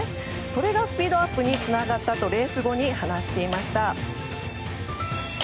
それがスピードアップにつながったとレース後に話していました。